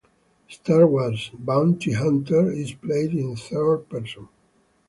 "Star Wars: Bounty Hunter" is played in third person.